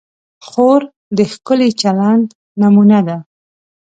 خور د ښکلي چلند نمونه ده.